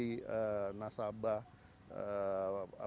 kebetulan kami juga membiayai